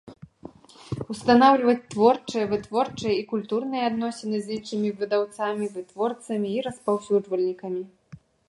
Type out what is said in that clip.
Устанаўлiваць творчыя, вытворчыя i культурныя адносiны з iншымi выдаўцамi, вытворцамi i распаўсюджвальнiкамi.